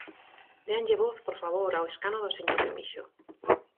Déanlle voz, por favor, ao escano do señor Remixio.